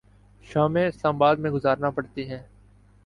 شامیں Islamabad میں گزارنا پڑتی ہیں۔